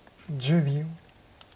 １０秒。